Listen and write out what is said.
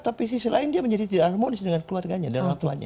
tapi sisi lain dia menjadi tidak harmonis dengan keluarganya dan orang tuanya